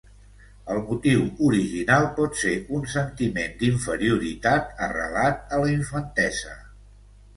El motiu original pot ser un sentiment d'inferioritat arrelat a la infantesa.